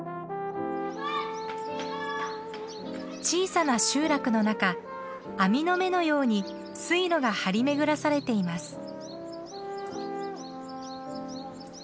小さな集落の中網の目のように水路が張り巡らされています。